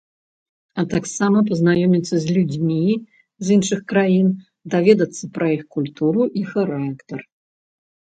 А таксама пазнаёміцца з людзьмі з іншых краін, даведацца пра іх культуру і характар.